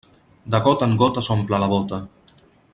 De gota en gota s'omple la bóta.